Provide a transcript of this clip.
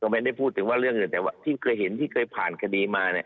ไม่ได้พูดถึงว่าเรื่องอื่นแต่ว่าที่เคยเห็นที่เคยผ่านคดีมาเนี่ย